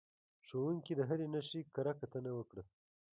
ښوونکي د هرې نښې کره کتنه وکړه.